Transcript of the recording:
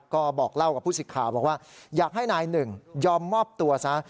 ก็บอกเล่ากับผู้สิทธิ์ข่าวบอกว่าอยากให้นายหนึ่งยอมมอบตัวซะ